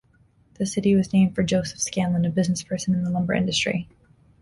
The city was named for Joseph Scanlon, a businessperson in the lumber industry.